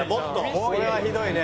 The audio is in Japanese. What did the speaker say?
これはひどいね。